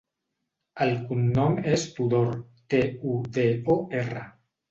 El cognom és Tudor: te, u, de, o, erra.